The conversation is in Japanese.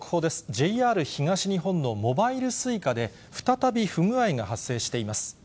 ＪＲ東日本のモバイルＳｕｉｃａで、再び不具合が発生しています。